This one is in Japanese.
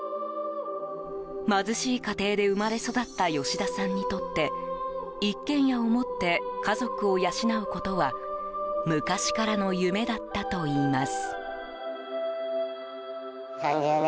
貧しい家庭で生まれ育った吉田さんにとって一軒家を持って家族を養うことは昔からの夢だったといいます。